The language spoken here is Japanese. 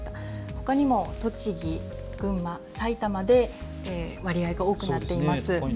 ほかにも、栃木、群馬、埼玉などで割合が多くなっています。